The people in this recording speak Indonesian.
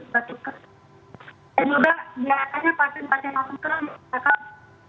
dan juga biasanya pasien pasien omikron akan